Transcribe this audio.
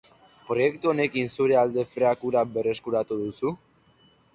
Proiektu honekin zure alde freak hura berreskuratu duzu?